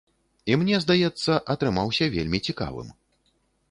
І мне здаецца, атрымаўся вельмі цікавым.